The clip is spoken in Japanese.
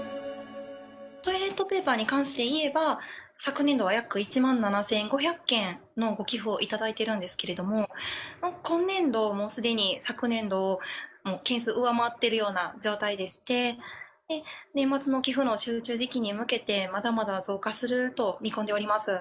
トイレットペーパーに関していえば、昨年度は約１万７５００件のご寄付を頂いてるんですけれども、今年度、もうすでに昨年度の件数をもう上回っている状態でして、年末の寄付の集中時期に向けて、まだまだ増加すると見込んでおります。